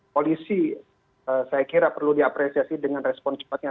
polisi saya kira perlu diapresiasi dengan respon cepatnya